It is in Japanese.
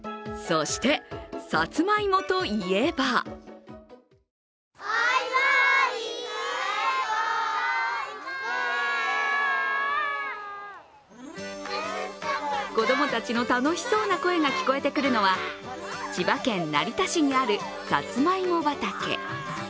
そして、さつまいもといえば子供たちの楽しそうな声が聞こえてくるのは千葉県成田市にある、さつまいも畑。